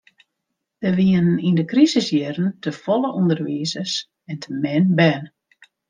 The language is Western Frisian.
Der wienen yn de krisisjierren te folle ûnderwizers en te min bern.